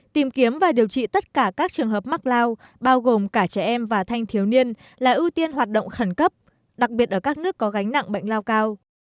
tìm kiếm và điều trị tất cả các trường hợp mắc lao bao gồm cả trẻ em và thanh thiếu niên là ưu tiên hoạt động khẩn cấp đặc biệt ở các nước có gánh nặng bệnh lao cao